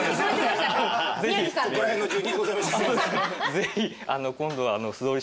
ぜひ。